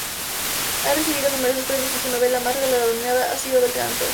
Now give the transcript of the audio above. Ha recibido numerosos premios y su novela más galardonada ha sido "Bel Canto".